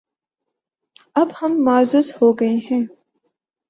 اب ہم معزز ہو گئے ہیں